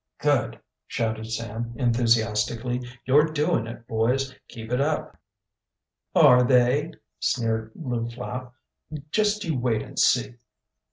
"Good!" shouted Sam enthusiastically. "You're doing it, boys! Keep it up!" "Are they?" sneered Lew Flapp. "Just you wait and see."